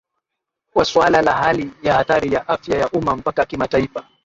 kuwa suala la Hali ya Hatari ya Afya ya Umma mpaka Kimataifa